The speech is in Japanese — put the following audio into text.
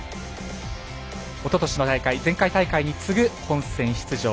おととしの大会前回大会に次ぐ、本戦出場。